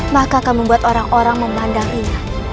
maka akan membuat orang orang memandanginya